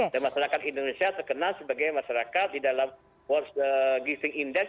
dan masyarakat indonesia terkenal sebagai masyarakat di dalam giving index